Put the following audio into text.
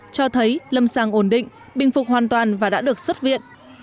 cho thấy lâm sàng ổn định bình phục hoàn toàn và đã được xuất viện